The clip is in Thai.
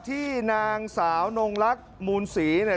ที่นางสาวนงลักษณ์มูลศรีเนี่ย